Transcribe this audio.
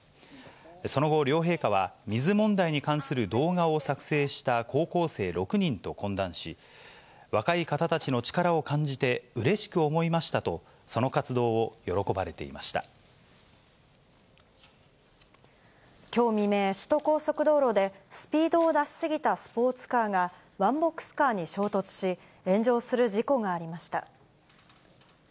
その後、両陛下は水問題に関する動画を作成した高校生６人と懇談し、若い方たちの力を感じてうれしく思いましたと、その活動を喜ばれきょう未明、首都高速道路で、スピードを出し過ぎたスポーツカーが、ワンボックスカーに衝突し、炎上する事故がありました。